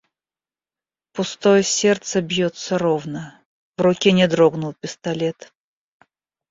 Пустое сердце бьётся ровно. В руке не дрогнул пистолет.